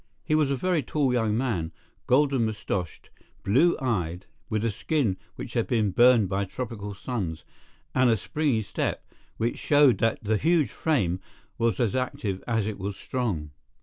He was a very tall young man, golden moustached, blue eyed, with a skin which had been burned by tropical suns, and a springy step, which showed that the huge frame was as active as it was strong.